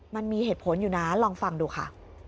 มันมีเหตุผลอยู่นะลองฟังดูค่ะ